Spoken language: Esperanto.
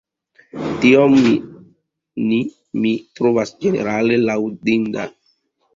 Tion mi trovas ĝenerale laŭdinda.